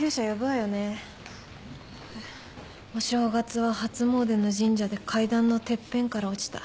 えっ？お正月は初詣の神社で階段のてっぺんから落ちた。